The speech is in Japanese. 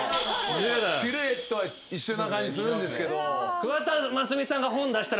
シルエットは一緒な感じするんですけど。